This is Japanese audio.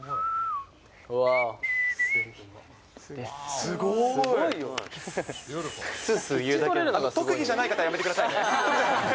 すごい。特技じゃない方はやめてくださいね。